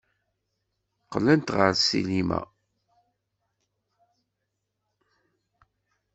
Qqlent ɣer ssinima.